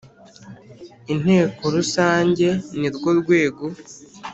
Inteko rusangeni rwo rwego